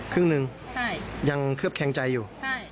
ครึ่งหนึ่งยังเคลือบแคงใจอยู่